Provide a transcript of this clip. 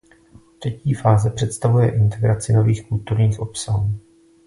Třetí fáze představuje integraci nových kulturních obsahů.